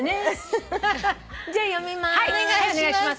じゃ読みます。